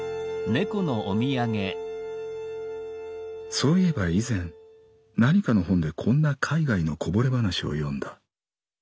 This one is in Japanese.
「そう言えば以前何かの本でこんな海外のこぼれ話を読んだ」。